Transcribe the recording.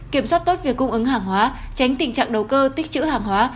kiểm soát tốt việc cung ứng hàng hóa tránh tình trạng đầu cơ tích chữ hàng hóa